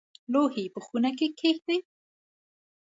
لوښي په خونه کې کښېږدئ